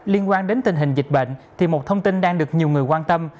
liên quan đến tình hình dịch bệnh thì một thông tin đang được nhiều người quan tâm